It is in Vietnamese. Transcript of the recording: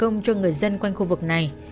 để làm công cho người dân quanh khu vực này